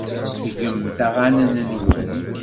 Tettgemt aɣanen-nwent?